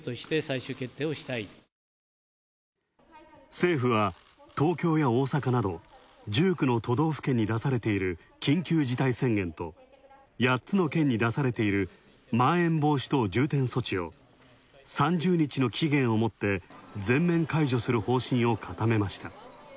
政府は東京や大阪など１９の都道府県に出されている緊急事態宣言と８つの県に出されている、まん延防止等重点措置を３０日の期限をもって全面解除する方針を固めました。